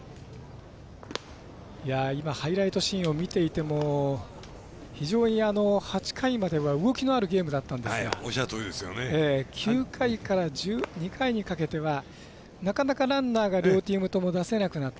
ハイライトシーンを見ていても非常に８回までは動きのあるゲームだったんですが９回から１２回にかけてはなかなかランナーが両チームとも出せなくなって。